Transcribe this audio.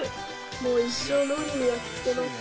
もう一生脳裏に焼き付けます。